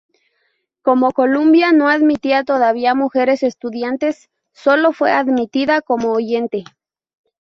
Como Columbia no admitía todavía mujeres estudiantes, sólo fue admitida como "oyente".